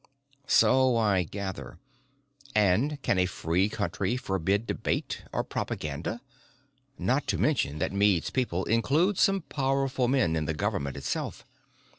"So I gather. And can a free country forbid debate or propaganda? Not to mention that Meade's people include some powerful men in the government itself.